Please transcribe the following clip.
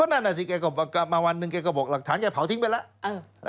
ก็นั่นน่ะสิมาวันนึงแกก็บอกหลักฐานอย่าเผาทิ้งไปแล้ว